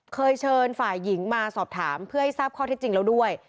เคยเชิญฝ่ายหญิงมาสอบถามเพื่อให้ทราบข้อที่จริงแล้วด้วย